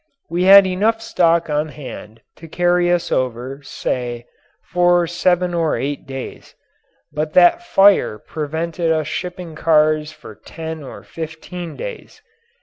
We had enough stock on hand to carry us over, say, for seven or eight days, but that fire prevented us shipping cars for ten or fifteen days.